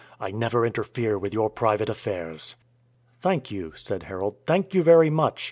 I never interfere with your private affairs." "Thank you," said Harold. "Thank you very much!